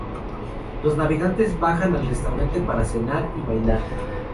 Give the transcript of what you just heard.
Los navegantes bajan al restaurante para cenar y bailar.